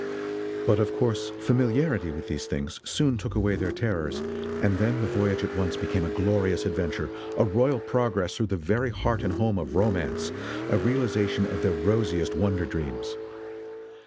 But of course familiarity with these things soon took away their terrors, and then the voyage at once became a glorious adventure, a royal progress through the very heart and home of romance, a realization of their rosiest wonder dreams.